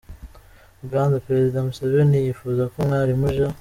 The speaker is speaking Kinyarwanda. Uganda: Perezida Museveni yifuza ko Mwalimu J.